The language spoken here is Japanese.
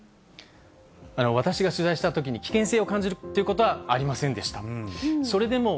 私が取材したときに危険性を感じるっていうことはありませんでした。